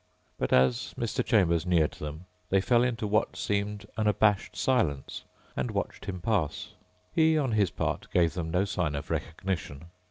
But as Mr. Chambers neared them they fell into what seemed an abashed silence and watched him pass. He, on his part, gave them no sign of recognition.